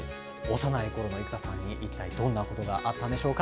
幼いころの生田さんに一体どんなことがあったんでしょうか。